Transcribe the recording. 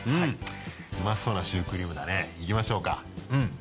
うまそうなシュークリームだねいきましょうか。